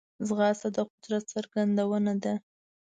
ځغاسته د قدرت څرګندونه ده